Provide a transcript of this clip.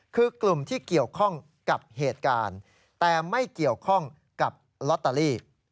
คือกลุ่มที่เกี่ยวข้องกับเหตุการณ์แต่ไม่เกี่ยวข้องกับลอตเตอรี่